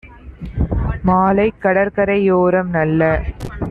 மாலைக் கடற்கரை யோரம் - நல்ல